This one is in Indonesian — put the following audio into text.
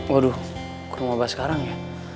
waduh ke rumah abah sekarang ya